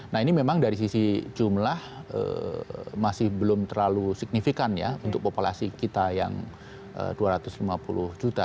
nah ini memang dari sisi jumlah masih belum terlalu signifikan ya untuk populasi kita yang dua ratus lima puluh juta